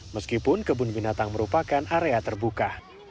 meskipun kebun binatang merupakan area terbuka